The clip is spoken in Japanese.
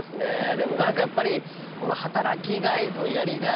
でも何かやっぱり働きがいやりがい